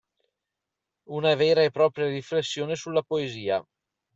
Una vera e propria riflessione sulla poesia.